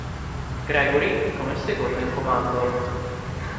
Gregory, come secondo in comando.